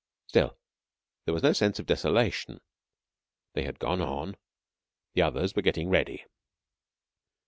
Still, there was no sense of desolation. They had gone on; the others were getting ready.